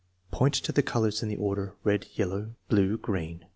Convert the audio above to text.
Point to the colors in the order, red, yellow, blue, green.